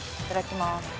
いただきます